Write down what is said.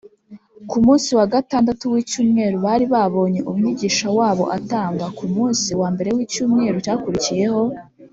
ku munsi wa gatandatu w’icyumweru bari babonye umwigisha wabo atanga; ku munsi wa mbere w’icyumweru cyakurikiyeho,